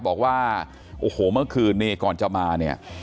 บอกว่าโอ้โหเมื่อคืนนี้ก่อนจะมาเนี่ย